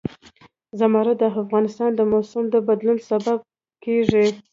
زمرد د افغانستان د موسم د بدلون سبب کېږي.